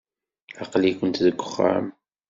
Aql-ikent deg uxxam.